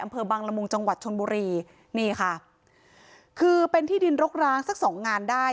อำเภอบังละมุงจังหวัดชนบุรีนี่ค่ะคือเป็นที่ดินรกร้างสักสองงานได้